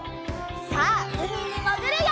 さあうみにもぐるよ！